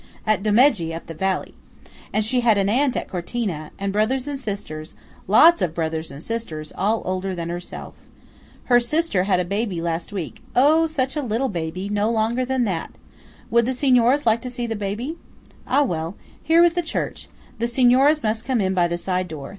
At Domegge, up the valley. And she had an aunt at Cortina; and brothers and sisters–lots of brothers and sisters, all older than herself. Her eldest sister had a baby last week–oh! such a little baby; no longer than that! Would the Signoras like to see the baby? Ah, well–here was the church. The Signoras must come in by the side door.